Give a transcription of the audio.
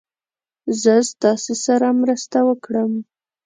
زه ستاسې سره مرسته وکړم.